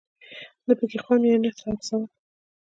نه پکې خوند وي او نه هم ثواب.